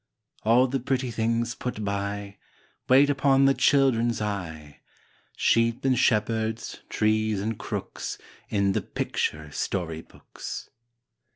All the pretty things put by, Wait upon the children's eye, Sheep and shepherds, trees and crooks, In the picture story books.